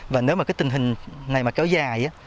và nếu mà cái tình hình này mà kéo dài